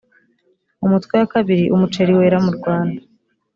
umutwe wa kabiri umuceri wera mu rwanda